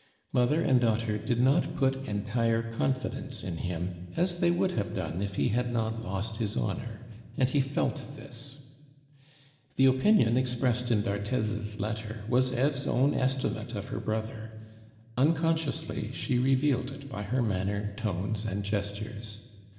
Mother and daughter did not put entire confidence in him, as they would have done if he had not lost his honor; and he felt this. The opinion expressed in d'Arthez's letter was Eve's own estimate of her brother; unconsciously she revealed it by her manner, tones, and gestures.